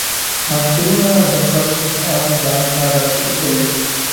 عطرونه د خلکو پام ځان ته راجلبوي.